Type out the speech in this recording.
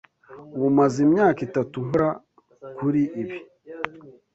Ubu maze imyaka itatu nkora kuri ibi.